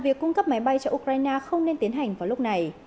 việc cung cấp máy bay cho ukraine không nên tiến hành vào lúc này